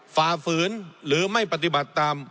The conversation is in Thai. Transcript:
ฝ่าฝืนหรือไม่ปฏิบัติตาม